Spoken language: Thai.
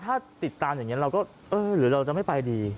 ถ้าติดตามอย่างนี้เราก็เออหรือเราจะไม่ไปดี